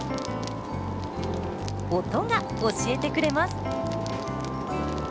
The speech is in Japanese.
音が教えてくれます。